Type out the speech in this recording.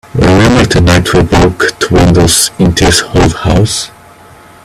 Remember the night we broke the windows in this old house?